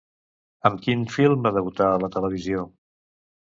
Amb quin film va debutar a la televisió?